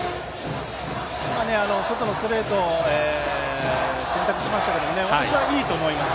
今、外のストレートを選択しましたけど私はいいと思います。